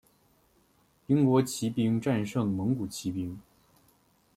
英国骑兵战胜蒙古骑兵。